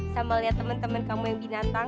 sambil lihat temen temen kamu yang binatang